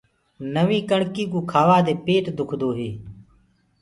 نوينٚ ڪڻڪي ڪوُ کآوآ دي پيٽ دُکدو هي۔